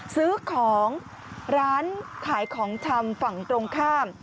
ซื้อของร้านขายของชำฝั่งตรงข้าม